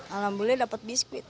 alhamdulillah dapat biskuit